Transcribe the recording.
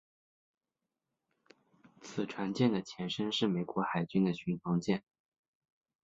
此级船舰的前身是美国海军的巡防舰。